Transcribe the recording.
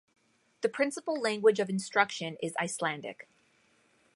The principal language of instruction is Icelandic.